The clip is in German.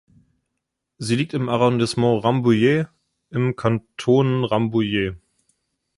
Sie liegt im Arrondissement Rambouillet im Kanton Rambouillet.